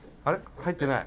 入ってない。